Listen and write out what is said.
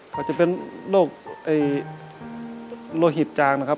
เขาจะเป็นโรคโลหิตจางนะครับ